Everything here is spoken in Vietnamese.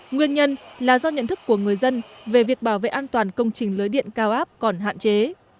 nguyên nhân là do nhận thức của người dân về việc bảo vệ an toàn công trình lưới điện cao áp còn hạn chế